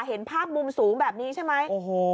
เห็นภาพมุมสูงแบบนี้ใช่ไหม